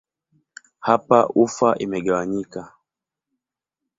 Hapa ufa imegawanyika.